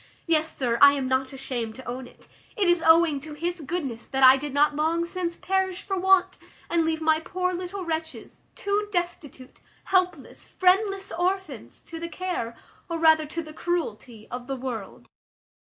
Yes, sir, I am not ashamed to own it; it is owing to his goodness that I did not long since perish for want, and leave my poor little wretches, two destitute, helpless, friendless orphans, to the care, or rather to the cruelty, of the world.